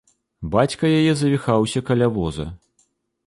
Бацька яе завіхаўся каля воза.